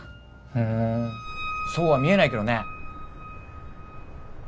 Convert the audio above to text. ふーんそうは見えないけどね。